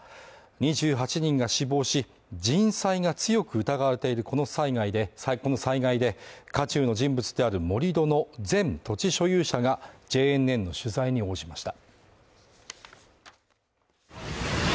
２８人が死亡し、人災が強く疑われているこの災害で渦中の人物である盛り土の前土地所有者が、ＪＮＮの取材に応じました。